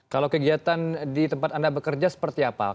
kalau kegiatan di tempat anda bekerja seperti apa